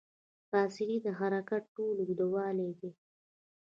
فاصلې د حرکت ټول اوږدوالی دی.